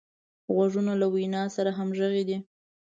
غوږونه له وینا سره همغږي دي